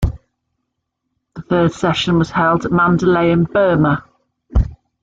The third session was held at Mandalay in Burma.